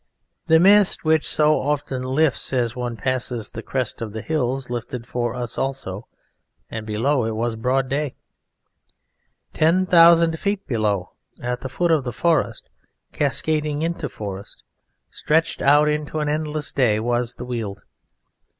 The mist which so often lifts as one passes the crest of the hills lifted for us also, and, below, it was broad day. Ten thousand feet below, at the foot of forest cascading into forest, stretched out into an endless day, was the Weald.